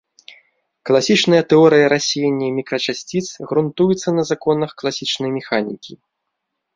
Класічная тэорыя рассеяння мікрачасціц грунтуецца на законах класічнай механікі.